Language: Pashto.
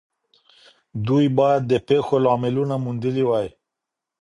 دوی بايد د پېښو لاملونه موندلي وای.